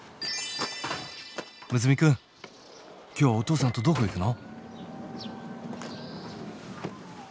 睦弥くん今日はお父さんとどこ行くの？